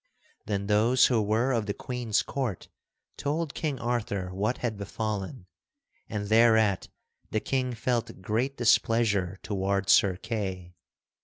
Then those who were of the Queen's court told King Arthur what had befallen, and thereat the King felt great displeasure toward Sir Kay.